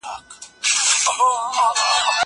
کېدای سي تکړښت سخت وي؟!